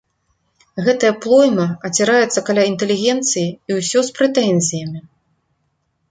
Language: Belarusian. Гэтая плойма аціраецца каля інтэлігенцыі і ўсё з прэтэнзіямі.